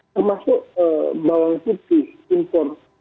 termasuk bawang putih impor